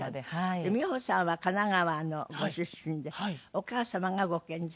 で美穂さんは神奈川のご出身でお母様がご健在。